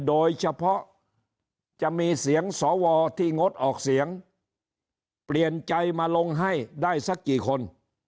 โดยเฉพาะจะมีเสียงสวที่งดออกเสียงเปลี่ยนใจมาลงให้ได้สักกี่คน